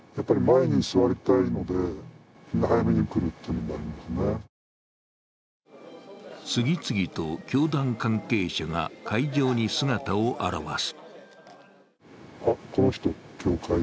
他にも次々と教団関係者が会場に姿を現す。